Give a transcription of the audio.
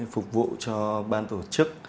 phục vụ cho ban tổ chức